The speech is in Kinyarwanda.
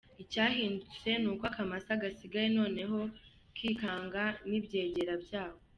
Icyahindutse Ni uko akamasa gasigaye noneho kikanga n’ibyegera byako!